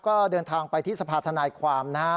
ก็เดินทางไปที่สภาธนายความนะครับ